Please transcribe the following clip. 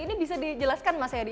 ini bisa dijelaskan mas yadi